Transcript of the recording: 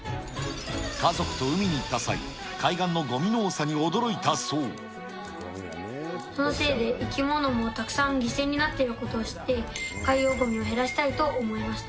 家族と海に行った際、そのせいで生き物もたくさん犠牲になっていることを知って、海洋ごみを減らしたいと思いました。